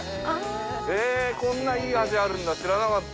えぇこんないい橋あるんだ知らなかった。